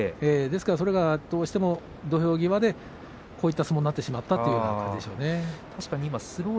それがどうしても土俵際でこういった相撲になってしまったということなんですね。